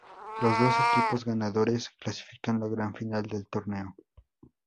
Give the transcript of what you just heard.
Los dos equipos ganadores clasifican la Gran Final del torneo.